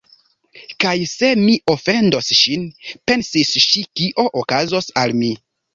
"Kaj se mi ofendos ŝin," pensis ŝi, "kio okazos al mi? »